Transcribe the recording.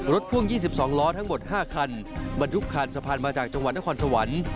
พ่วง๒๒ล้อทั้งหมด๕คันบรรทุกคานสะพานมาจากจังหวัดนครสวรรค์